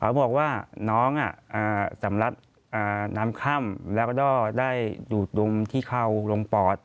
บอกว่าน้องสำลัดน้ำค่ำแล้วก็ได้อยู่ตรงที่เข้าลงปอด